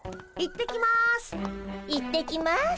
行ってきます。